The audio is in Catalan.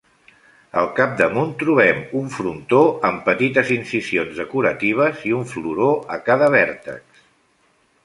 Al capdamunt trobem un frontó amb petites incisions decoratives i un floró a cada vèrtex.